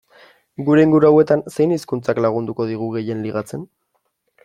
Gure inguru hauetan, zein hizkuntzak lagunduko digu gehien ligatzen?